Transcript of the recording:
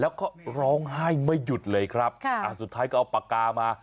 แล้วก็ร้องไห้ไม่หยุดเลยครับค่ะอ่าสุดท้ายก็เอาปากกามา